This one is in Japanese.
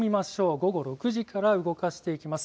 午後６時から動かしていきます。